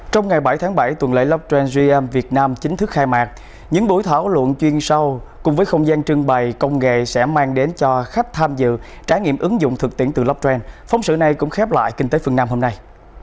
trong ngày bảy tháng bảy tuần lễ blockchain gm việt nam chính thức khai mạc những buổi thảo luận chuyên sâu cùng với không gian trưng bày công nghệ sẽ mang đến cho khách tham dự trải nghiệm ứng dụng thực tiễn từ blockchain phóng sự này cũng khép lại kinh tế phương nam hôm nay